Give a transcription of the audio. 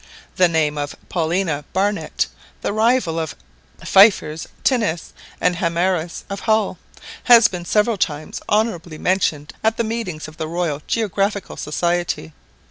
The name of Paulina Barnett, the rival of the Pfeiffers, Tinnis, and Haimaires of Hull, has been several times honourably mentioned at the meetings of the Royal Geographical Society.